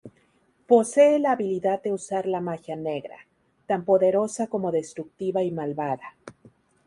Posee la habilidad de usar la magia negra, tan poderosa como destructiva y malvada.